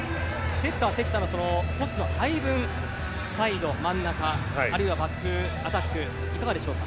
セッター、関田のトスの配分サイド、真ん中あるいはバックアタックいかがでしょうか？